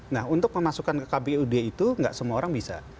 nah untuk memasukkan ke kpud itu nggak semua orang bisa